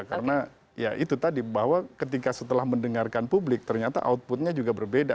karena ya itu tadi bahwa ketika setelah mendengarkan publik ternyata outputnya juga berbeda